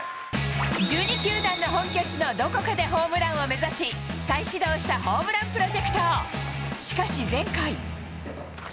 １２球団の本拠地のどこかでホームランを目指し、再始動したホームランプロジェクト。